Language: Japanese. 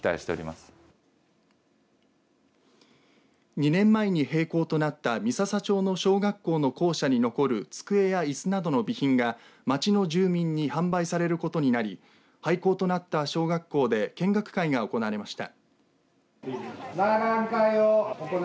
２年前に閉校となった三朝町の小学校の校舎に残る机やいすなどの備品が町の住民に販売されることになり廃校となった小学校で見学会が行われました。